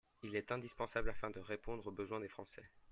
Il est indispensable afin de répondre aux besoins des Français.